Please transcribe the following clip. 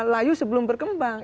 layu sebelum berkembang